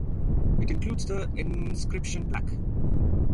It includes the inscription plaque.